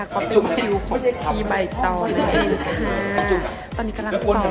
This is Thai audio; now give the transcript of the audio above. และตรงนี้ก็เป็นคิวที่เราไม่เคยทีมใหม่ตอนนี้กำลังซ้อนคิวกันอยู่